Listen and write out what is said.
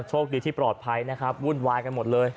โชคดีที่ปลอดภัยนะครับวุ่นวายกันหมดเลย